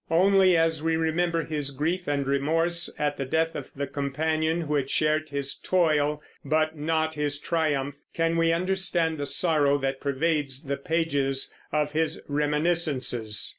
Only as we remember his grief and remorse at the death of the companion who had shared his toil but not his triumph, can we understand the sorrow that pervades the pages of his Reminiscences.